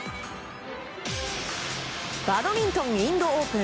バドミントン、インドオープン。